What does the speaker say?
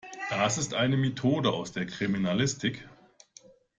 Das ist eine Methode aus der Kriminalistik.